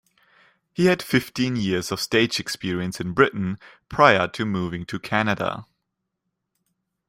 He had fifteen years of stage experience in Britain prior to moving to Canada.